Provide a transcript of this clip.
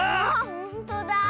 ほんとだ。